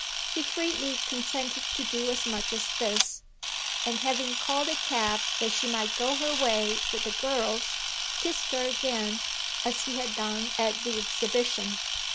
He freely consented to do as much as this, and, having called a cab that she might go her way with the girls, kissed her again as he had done at the exhibition.